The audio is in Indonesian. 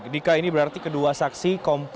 dika ini berarti kedua saksi